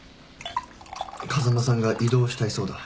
風間さんが異動したいそうだ。